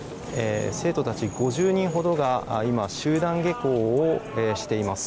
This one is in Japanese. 生徒たち５０人ほどが今、集団下校をしています。